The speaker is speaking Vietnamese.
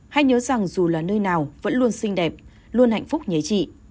hãy nhớ rằng dù là nơi nào vẫn luôn xinh đẹp luôn hạnh phúc nhé chị